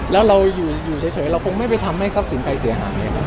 แล้วเราอยู่เฉยเราคงไม่ไปทำให้ทรัพย์สินใครเสียหาย